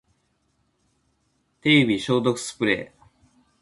手指消毒スプレー